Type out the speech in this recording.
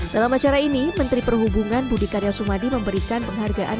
dalam acara ini menteri perhubungan budi karya sumadi memberikan penghargaan